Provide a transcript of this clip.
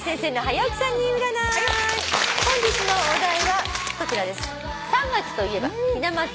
本日のお題はこちらです。